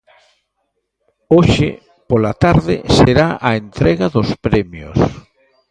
Hoxe pola tarde será a entrega dos premios.